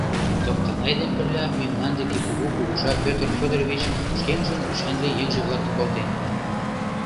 Токтанай ден пырля мемнан деке кугу кугыжа Петр Федорович шкенжын ӱшанле еҥже-влакым колтен.